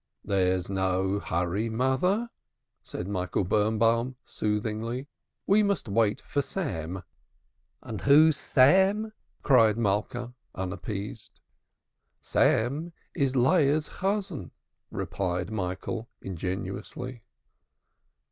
"There's no hurry, mother," said Michael Birnbaum soothingly. "We must wait for Sam." "And who's Sam?" cried Malka unappeased. "Sam is Leah's Chosan," replied Michael ingenuously.